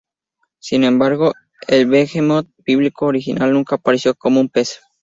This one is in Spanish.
Sin embargo, el Behemoth bíblico original nunca apareció como un pez.